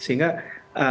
sehingga ada tafsirnya